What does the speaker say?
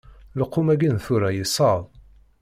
Lqum-agi n tura yesseḍ.